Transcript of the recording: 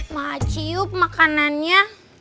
ma ciup makanannya